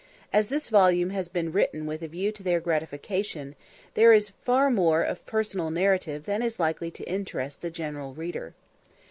As this volume has been written with a view to their gratification, there is far more of personal narrative than is likely to interest the general reader.